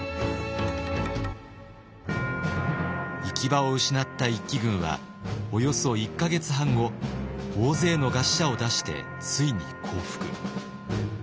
行き場を失った一揆軍はおよそ１か月半後大勢の餓死者を出してついに降伏。